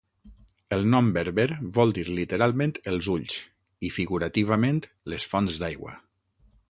El nom berber vol dir literalment "els ulls" i figurativament "les fonts d'aigua".